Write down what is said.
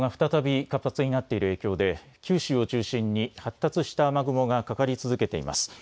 気象庁によりますと前線の活動が再び活発になっている影響で九州を中心に発達した雨雲がかかり続けています。